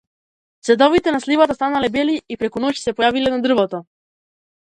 Цветовите на сливата станале бели и преку ноќ се појавиле на дрвото.